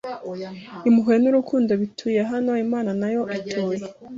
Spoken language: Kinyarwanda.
Impuhwe nurukundo bituye Hano Imana nayo ituye